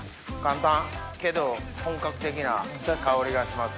けど本格的な香りがします。